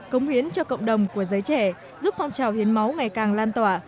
cống hiến cho cộng đồng của giới trẻ giúp phong trào hiến máu ngày càng lan tỏa